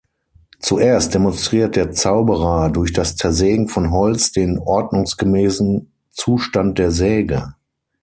Zuerst demonstriert der Zauberer durch das Zersägen von Holz den ordnungsgemäßen Zustand der Säge.